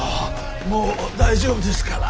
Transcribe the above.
もう大丈夫ですから。